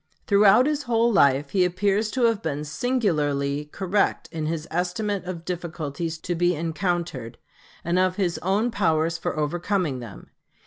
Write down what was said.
Throughout his whole life he appears to have been singularly correct in his estimate of difficulties to be encountered and of his own powers for overcoming them.